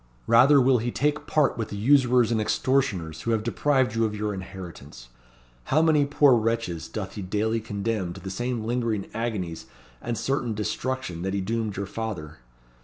Rather will he take part with the usurers and extortioners who have deprived you of your inheritance. How many poor wretches doth he daily condemn to the same lingering agonies and certain destruction that he doomed your father.